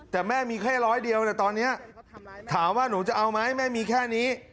แต่แม่แค่มี๑๐๐บาทเดียวแต่ฉอว่าหนูจะเอาไหมแม่มีแค่นี้